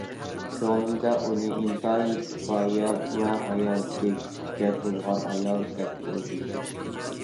كۆڭلۈمدە ئۇنى ئىنتايىن سىپايە ۋە ھاياتى كۈچكە تولغان ئايال دەپ ئويلىدىم.